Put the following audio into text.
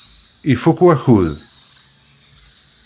Ifuk wakud.